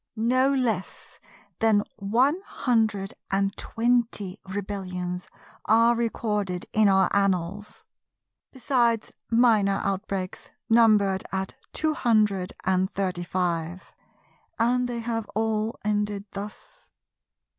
No less than one hundred and twenty rebellions are recorded in our annals, besides minor outbreaks numbered at two hundred and thirty five; and they have all ended thus.